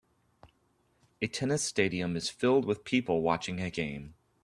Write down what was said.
A tennis stadium is filled with people watching a game.